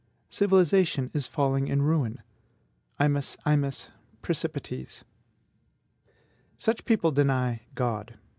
Civilization is falling in ruin: Imus, imus, praecipites!" Such people deny God.